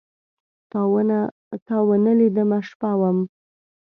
تاونه لیدمه، شپه وم